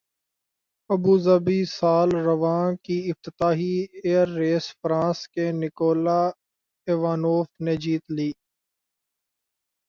Abu Dhabi سال رواں کی افتتاحی ایئر ریس فرانس کے نکولا ایوانوف نے جیت لی